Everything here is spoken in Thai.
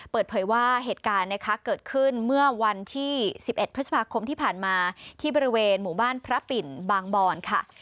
เปิดเผยว่าเหตุการณ์นะคะเกิดขึ้นเมื่อวันที่๑๑พฤษภาคมที่ผ่านมาที่บริเวณหมู่บ้านพระปิ่นบางบอนค่ะ